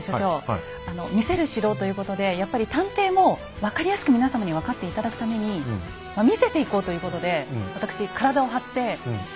あの「見せる城」ということでやっぱり探偵も分かりやすく皆様に分かって頂くために見せていこうということで私体を張って。